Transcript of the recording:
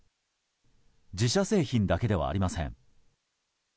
自社製品だけではありません。